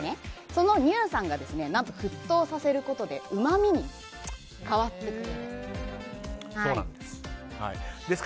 その乳酸が何と沸騰させることでうまみに変わってくるんです。